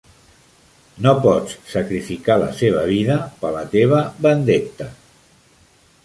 No pots sacrificar la seva vida pela teva "vendetta"!